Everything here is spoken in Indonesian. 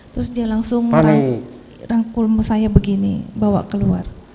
terus dia langsung rangkul saya begini bawa keluar